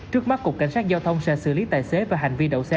trước mắt cục cảnh sát giao thông sẽ xử lý tài xế và hành vi đậu xe